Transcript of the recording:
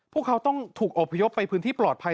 พวกเขาต้องถูกอบพยพไปพื้นที่ปลอดภัย